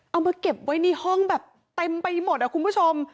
เอามาเก็บไว้ในห้องแบบเต็มไปหมดอะคุณผู้ชม